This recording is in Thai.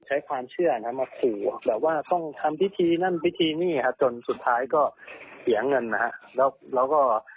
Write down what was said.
ใช้ความเชื่อนะมาขู่แบบว่าต้องทำพิธีนั่นพิธีนี่ฮะจนสุดท้ายก็เสียเงินนะฮะแล้วเราก็